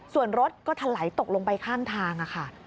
ส่วนรถก็ถลายตกลงไปข้างทางค่ะ